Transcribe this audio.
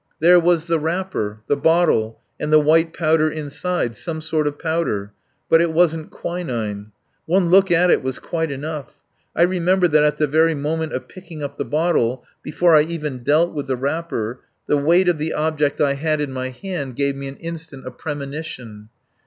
There was the wrapper, the bottle, and the white powder inside, some sort of powder! But it wasn't quinine. One look at it was quite enough. I remember that at the very moment of picking up the bottle, before I even dealt with the wrapper, the weight of the object I had in my hand gave me an instant premonition.